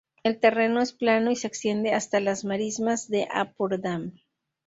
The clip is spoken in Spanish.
El terreno es plano y se extiende hasta las Marismas del Ampurdán.